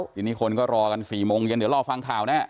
ทีนี้คนก็รอกัน๔โมงเย็นเดี๋ยวรอฟังข่าวแน่